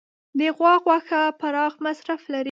د غوا غوښه پراخ مصرف لري.